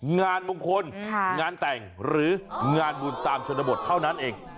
งานมงคลงานแต่งหรืองานบุญตามชนบทเท่านั้นเอง